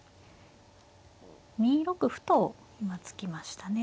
２六歩と今突きましたね。